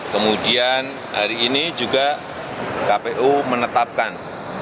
kemudian hari ini juga kpu menetapkan